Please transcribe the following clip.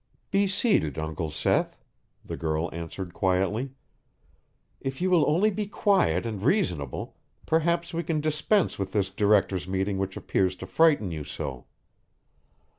"Be seated, Uncle Seth," the girl answered quietly. "If you will only be quiet and reasonable, perhaps we can dispense with this directors' meeting which appears to frighten you so."